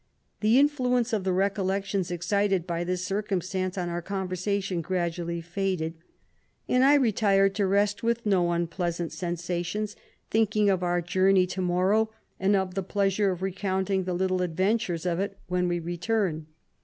The influence of the recollections excited by this circumstance on our conversa tion gradually faded, and I retired to rest with no unpleasant sensations, thinking of our journey tomorrow, and of the pleasure of recounting the little adventures of it when we return.